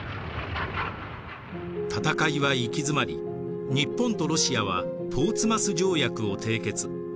戦いは行き詰まり日本とロシアはポーツマス条約を締結。